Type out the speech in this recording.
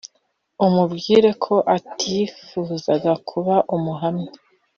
amubwira ko atifuzaga kuba umuhamya.